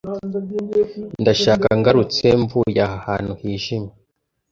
ndashaka ngarutse mvuye aha hantu hijimye